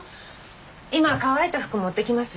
今乾いた服持ってきます。